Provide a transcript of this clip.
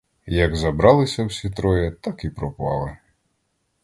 Як забралися всі троє, так і пропали.